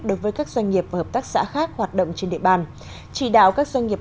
đối với các doanh nghiệp và hợp tác xã khác hoạt động trên địa bàn chỉ đạo các doanh nghiệp